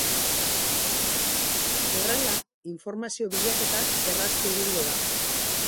Horrela, informazio bilaketak erraztu egingo da.